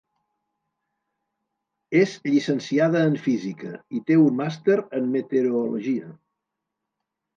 És llicenciada en Física i té un Màster en Meteorologia.